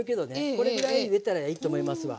これぐらいゆでたらいいと思いますわ。